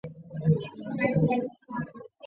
过去是往的登山路线玄关口。